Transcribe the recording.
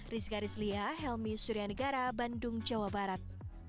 rizka rizlia helmi suryanegara bandung jawa barat